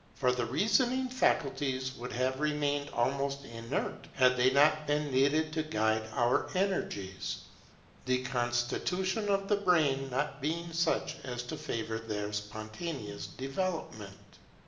For the reasoning faculties would have remained almost inert had they not been needed to guide our energies; the constitution of the brain not being such as to favour their spontaneous development.